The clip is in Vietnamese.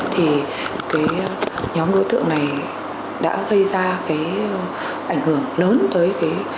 thì nhóm đối tượng này đã gây ra ảnh hưởng lớn tới